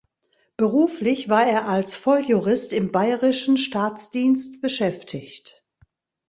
Beruflich war er als Volljurist im bayerischen Staatsdienst beschäftigt.